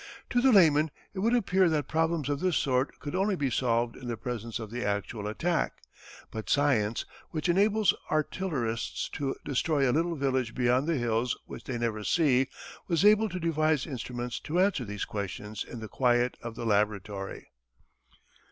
To the layman it would appear that problems of this sort could only be solved in the presence of the actual attack, but science, which enables artillerists to destroy a little village beyond the hills which they never see, was able to devise instruments to answer these questions in the quiet of the laboratory.